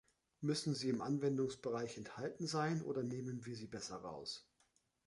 Müssen sie im Anwendungsbereich enthalten sein oder nehmen wir sie besser raus?